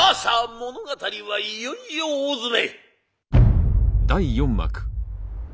物語はいよいよ大詰め！